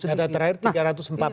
data terakhir tiga ratus empat puluh